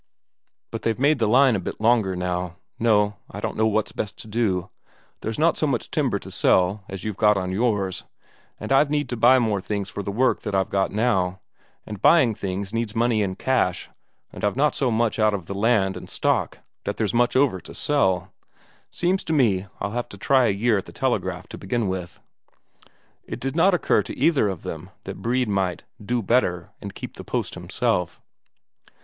"But they've made the line a bit longer now. No, I don't know what's best to do there's not so much timber to sell here as you've got on yours, and I've need to buy more things for the work that I've got now. And buying things needs money in 'cash, and I've not so much out of the land and stock that there's much over to sell. Seems to me I'll have to try a year at the telegraph to begin with...." It did not occur to either of them that Brede might "do better" and keep the post himself.